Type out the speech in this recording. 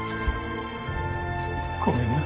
ごめんな